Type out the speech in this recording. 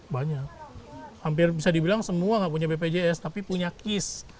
banyak hampir bisa dibilang semua nggak punya bpjs tapi punya kis